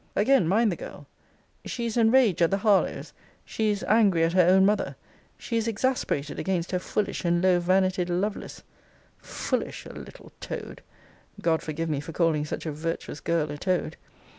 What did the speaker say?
Again mind the girl: 'She is enraged at the Harlowes;' she is 'angry at her own mother;' she is exasperated against her foolish and low vanity'd Lovelace.' FOOLISH, a little toad! [God forgive me for calling such a virtuous girl a toad!